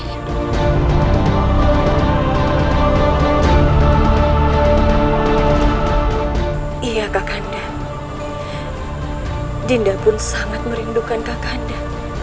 iya kak kanda dinda pun sangat merindukan kak kanda